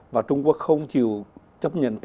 và trung quốc không chịu chấp nhận